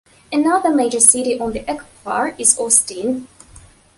Another major city on the aquifer is Austin.